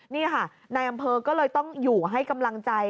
นี่ค่ะนายอำเภอก็เลยต้องอยู่ให้กำลังใจ